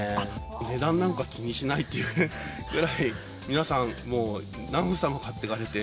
値段なんか気にしないっていうぐらい、皆さんもう、何房も買っていかれて。